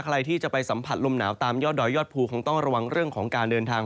ใครที่จะไปสัมผัสลมหนาวตามยอดดอยยอดภูคงต้องระวังเรื่องของการเดินทาง